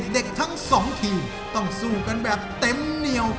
เด็กทั้งสองทีมต้องสู้กันแบบเต็มเหนียว